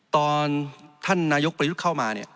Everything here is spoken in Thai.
ตอนท่านนายกประยุทธ์เข้ามาเนี่ย